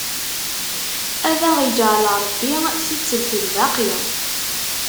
Ad aɣ-iǧɛel Ṛebbi si ttelt lbaqi!